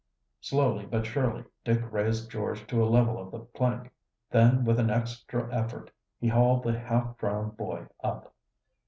Slowly but surely Dick raised George to a level of the plank. Then with an extra effort he hauled the half drowned boy up.